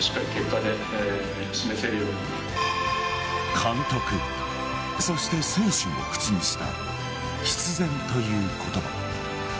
監督、そして選手も口にした必然という言葉。